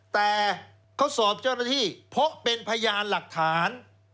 แต่เขาสอบเจ้าหน้าที่เพราะเป็นพยานหลักฐาน